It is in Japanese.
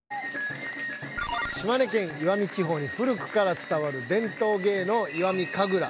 島根県石見地方に古くからつたわる伝統芸能「石見神楽」。